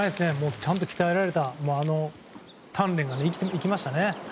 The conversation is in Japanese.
ちゃんと鍛えられた鍛錬が生きましたね。